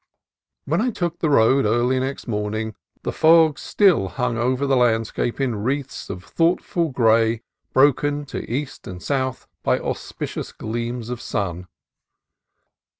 When I took the road early next morning, the fog still hung over the landscape in wreaths of thought ful gray broken to east and south by auspicious gleams of sun.